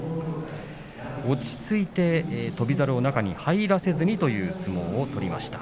落ち着いて翔猿を中に入らせずにという相撲を取りました。